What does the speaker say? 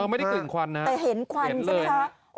ไม่ได้กลิ่นควันนะแต่เห็นควันใช่ไหมคะ